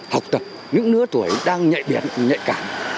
học tập những đứa tuổi đang nhạy biệt nhạy cảm